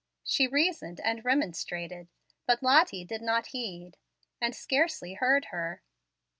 She reasoned and remonstrated, but Lottie did not heed, and scarcely heard her.